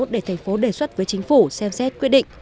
để thành phố đề xuất với chính phủ xem xét quyết định